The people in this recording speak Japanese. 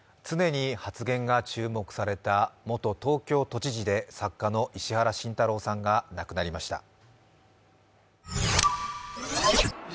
常に発言が注目された元東京都知事で作家の石原慎太郎さんが亡くなりました。